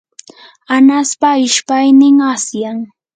añaspa ishpaynin asyan.